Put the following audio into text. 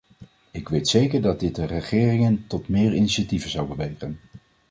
Ik weet zeker dat dit de regeringen tot meer initiatieven zou bewegen.